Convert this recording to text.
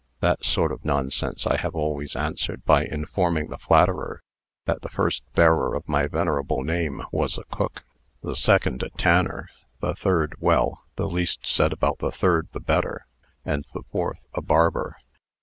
That sort of nonsense I have always answered by informing the flatterer that the first bearer of my venerable name was a cook; the second, a tanner; the third well, the least said about the third the better; and the fourth, a barber.